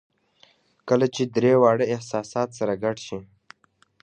کله چې درې واړه احساسات سره ګډ شي